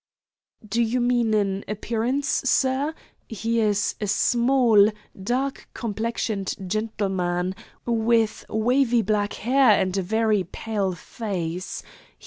"Do you mean in appearance, sir? He is a small, dark complexioned gentleman, with wavy black hair and a very pale face.